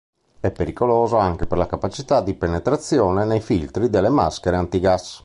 È pericoloso anche per la capacità di penetrazione nei filtri delle maschere antigas.